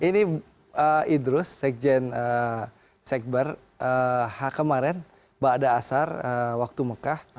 ini idus sekjen sekber kemarin ba'ada asar waktu mekah